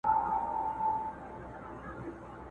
ورته راغله د برکلي د ښکاریانو؛